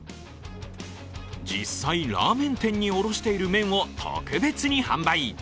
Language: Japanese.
実際、ラーメン店に卸している麺を特別に販売。